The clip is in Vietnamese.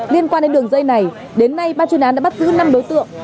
liên quan đến đường dây này đến nay ban chuyên án đã bắt giữ năm đối tượng